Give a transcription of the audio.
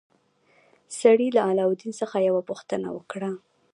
سړي له علاوالدین څخه یوه پوښتنه وکړه.